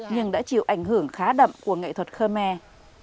nhưng đã chịu ảnh hưởng khá đậm của nghệ thuật khmer